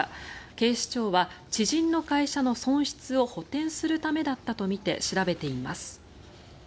警視庁は知人の会社の損失を補てんするためだったとみて調べています。